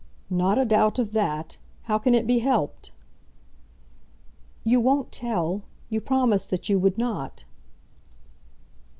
"Not a doubt of that. How can it be helped?" "You won't tell. You promised that you would not."